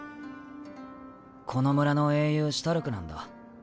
この村の英雄シュタルクなんだ。